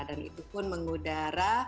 dan itu pun mengudara